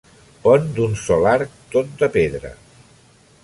Pont d'un sol arc, tot de pedra.